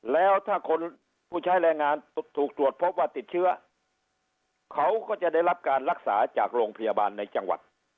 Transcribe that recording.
แล้วถ้าคนผู้ใช้แรงงานถูกตรวจพบว่าติดเชื้อเขาก็จะได้รับการรักษาจากโรงพยาบาลในจังหวัด